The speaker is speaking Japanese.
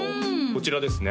こちらですね